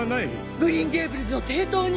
グリーン・ゲイブルズを抵当に！？